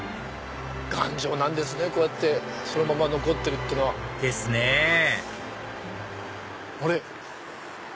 頑丈なんですねこうやってそのまま残ってるってのは。ですねあれ？